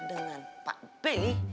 dengan pak belly